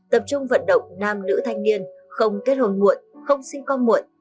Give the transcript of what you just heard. tập trung vận động nam nữ thanh niên không kết hôn muộn không sinh con muộn